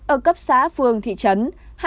ở cấp xã phương thị trấn